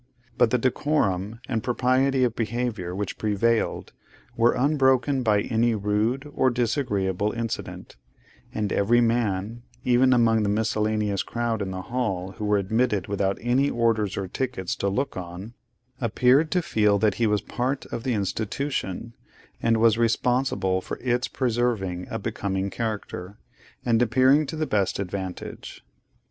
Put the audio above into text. But the decorum and propriety of behaviour which prevailed, were unbroken by any rude or disagreeable incident; and every man, even among the miscellaneous crowd in the hall who were admitted without any orders or tickets to look on, appeared to feel that he was a part of the Institution, and was responsible for its preserving a becoming character, and appearing to the best advantage.